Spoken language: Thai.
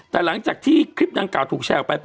แต่หลังจากที่คลิปนางกองถูกแชว์ไป